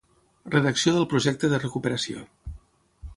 Redacció del projecte de recuperació.